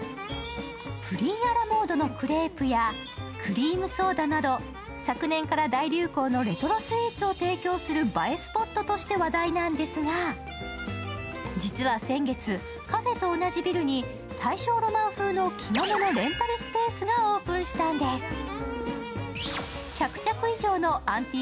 プリンア・ラ・モードのクレープやクリームソーダなど昨年から大流行のレトロスイーツを提供する映えスポットとして話題なんですが実は先月、カフェと同じビルに大正ロマン風の着物のレンタルスペースがオープンしたんです。